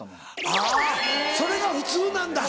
あぁそれが普通なんだ。